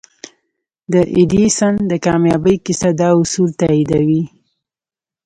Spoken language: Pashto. د ايډېسن د کاميابۍ کيسه دا اصول تاييدوي.